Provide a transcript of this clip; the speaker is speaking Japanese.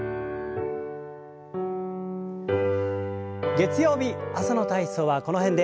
月曜日朝の体操はこの辺で。